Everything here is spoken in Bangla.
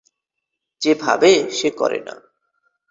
যে ভাবে, সে করে না।